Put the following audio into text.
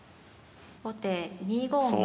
後手２五馬。